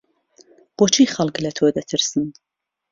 بۆچی خەڵک لە تۆ دەترسن؟